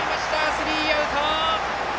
スリーアウト。